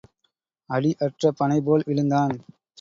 அடி அற்ற பனைபோல் விழுந்தான்.